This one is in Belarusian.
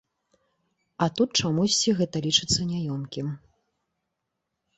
А тут чамусьці гэта лічыцца няёмкім.